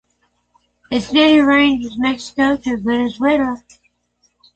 Its native range is Mexico to Venezuela.